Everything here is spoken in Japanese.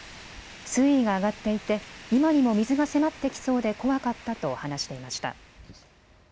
水位が上がっていて今にも水が迫ってきそうで怖かったと話していました。